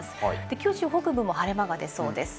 九州北部も晴れ間がでそうです。